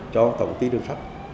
cho tổng công ty đường sắt